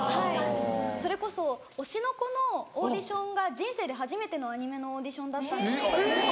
それこそ『推しの子』のオーディションが人生で初めてのアニメのオーディションだったんです。